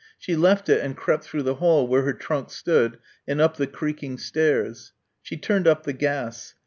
She left it and crept through the hall where her trunk stood and up the creaking stairs. She turned up the gas.